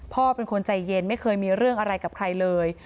พ่อเป็นคนใจเย็นไม่เคยมีเรื่องอะไรกับใครเลย